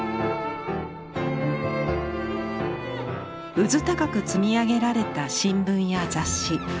うずたかく積み上げられた新聞や雑誌。